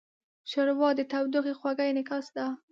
ښوروا د تودوخې خوږه انعکاس ده.